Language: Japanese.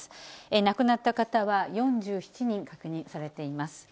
亡くなった方は４７人確認されています。